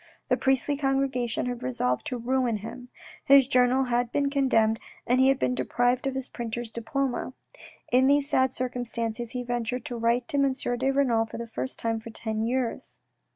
The priestly congregation had resolved to ruin him ; his journal had been condemned, and he had been deprived of his printer's diploma. In these sad circumstances he ventured to write to M. de Renal for the first time for ten years.